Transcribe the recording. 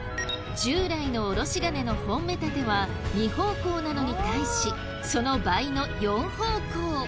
従来のおろし金の本目立ては２方向なのに対しその倍の４方向